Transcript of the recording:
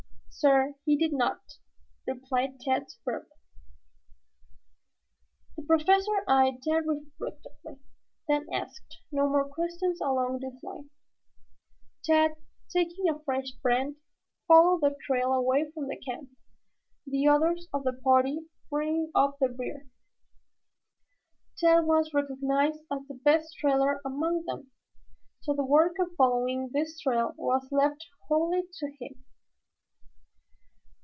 "No, sir, he did not," replied Tad soberly. The Professor eyed Tad reflectively, then asked no more questions along this line. Tad, taking a fresh brand, followed the trail away from the camp, the others of the party bringing up the rear. Tad was recognized as the best trailer among them, so the work of following this trail was left wholly to him.